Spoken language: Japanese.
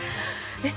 えっ？